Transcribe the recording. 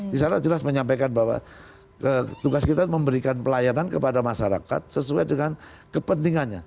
di sana jelas menyampaikan bahwa tugas kita memberikan pelayanan kepada masyarakat sesuai dengan kepentingannya